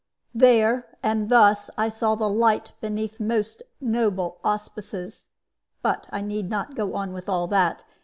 "There and thus I saw the light beneath most noble auspices. But I need not go on with all that.